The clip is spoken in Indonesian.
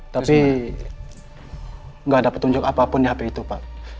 tapi nggak ada petunjuk apapun di hp itu pak